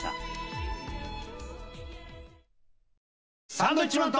サンドウィッチマンと。